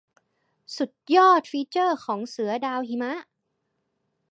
สุดยอดฟีเจอร์ของเสือดาวหิมะ